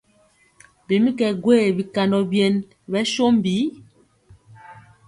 Bi mi kɛ gwee bikandɔ byen ɓɛ sombi?